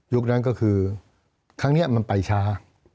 นั้นก็คือครั้งนี้มันไปช้า